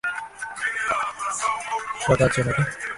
তোর এখনো শখ আছে নাকি?